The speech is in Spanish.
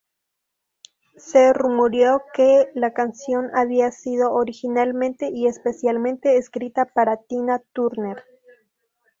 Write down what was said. Se rumoreó, que la canción había sido originalmente y especialmente escrita para Tina Turner.